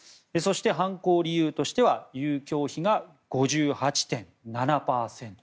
犯行理由としては遊興費が５８．７％。